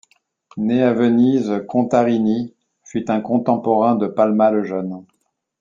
Né à Venise Contarini fut un contemporain de Palma le Jeune.